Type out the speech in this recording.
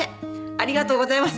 ありがとうございます」